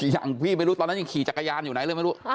ยังไม่รู้ตอนนั้นยังขี่จักรยานอยู่ไหน